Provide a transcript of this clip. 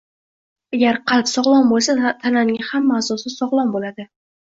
Agar qalb sog‘lom bo‘lsa, tananing hamma a’zosi sog‘lom bo‘ladi.